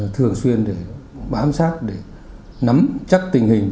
thường xuyên bám sát để nắm chắc tình hình